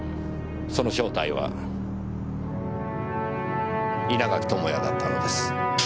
その正体は稲垣智也だったのです。